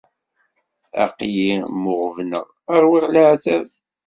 Aql-i mmuɣebneɣ, ṛwiɣ leɛtab.